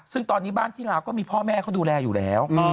ซึ่งตอนนี้บ้านที่ลาวก็มีพ่อแม่เขาดูแลอยู่แล้ว